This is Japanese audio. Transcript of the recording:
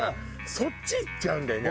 そっちいっちゃうんだよね